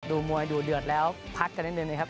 ดูมวยดูเดือดแล้วพักกันนิดนึงนะครับ